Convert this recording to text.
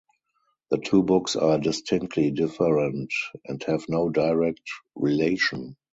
The two books are distinctly different and have no direct relation.